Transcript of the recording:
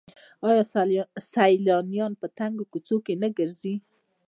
آیا سیلانیان په تنګو کوڅو کې نه ګرځي؟